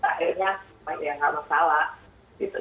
akhirnya ya nggak masalah